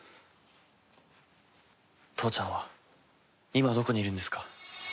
父ちゃんは今どこにいるんですか？